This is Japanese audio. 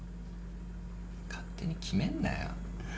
勝手に決めんなよ。